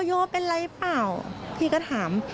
โยเป็นอะไรเปล่าพี่ก็ถาม